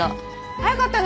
早かったね。